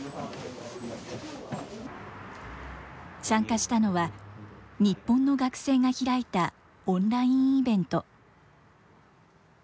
参加したのは、日本の学生が開いたオンラインイベント。